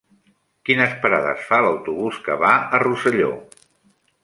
Quines parades fa l'autobús que va a Rosselló?